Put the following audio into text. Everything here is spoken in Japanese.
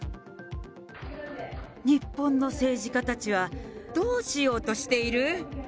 日本の政治家たちは、どうしようとしている？